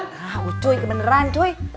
nah cuy kebeneran cuy